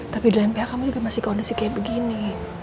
tapi di lain pihak kamu juga masih kondisi kayak begini